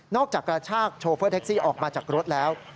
กระชากโชเฟอร์แท็กซี่ออกมาจากรถแล้ว